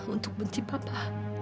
untuk benci papa